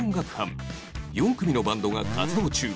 ４組のバンドが活動中